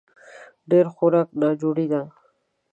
ډېر خوراک ناجوړي ده